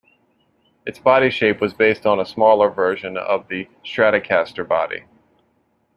Its body shape was based on a smaller version of the Stratocaster body.